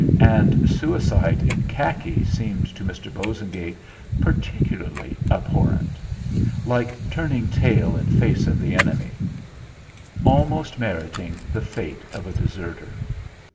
And suicide in khaki seemed to Mr. Bosengate particularly abhorrent; like turning tail in face of the enemy; almost meriting the fate of a deserter.